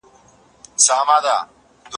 چې پښتو دې ګرانه وي؛ خو هغه چاته چې پښتون نه وي